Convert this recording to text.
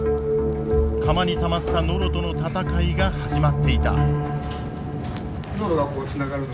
釜にたまったノロとの戦いが始まっていた。